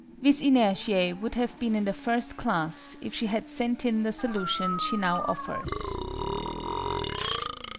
VIS INERTIÆ would have been in the First Class if she had sent in the solution she now offers.